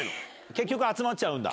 結局集まっちゃうんだ。